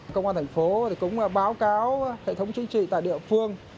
công an tp cũng báo cáo hệ thống chính trị tại địa phương